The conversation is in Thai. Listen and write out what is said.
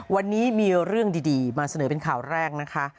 วันนี้มีเรื่องดีมาเสนอเป็นข่าวแรกนะคะ